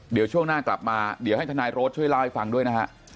เดี๋ยวช่วงหน้ากลับมาเดี๋ยวให้ทนายโรดช่วยเล่าให้ฟังด้วยนะฮะ